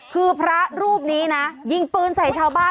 คือพระรูปนี้นะยิงปืนใส่ชาวบ้าน